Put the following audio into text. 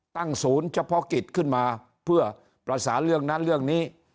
ศูนย์เฉพาะกิจขึ้นมาเพื่อประสานเรื่องนั้นเรื่องนี้